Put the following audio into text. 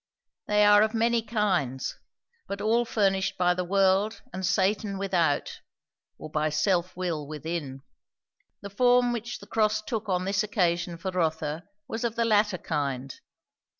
They are of many kinds, but all furnished by the world and Satan without, or by self will within. The form which the cross took on this occasion for Rotha was of the latter kind.